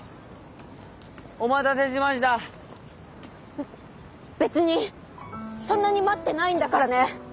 べ別にそんなに待ってないんだからね。